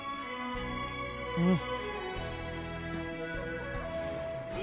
「うん！」